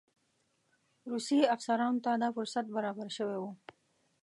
روسي افسرانو ته دا فرصت برابر شوی وو.